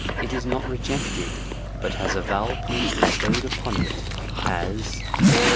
it is not rejected, but has a vowel point bestowed upon it as ;* A?